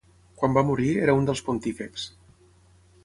Quan va morir era un dels pontífexs.